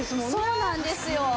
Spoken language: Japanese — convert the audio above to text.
そうなんですよ。